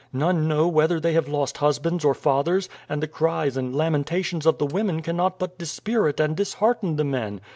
None know whether they have lost husbands or fathers, and the cries and lamentations of the women cannot but dispirit and dishearten the men.